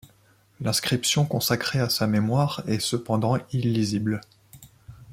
L'inscription consacrée à sa mémoire est cependant illisible.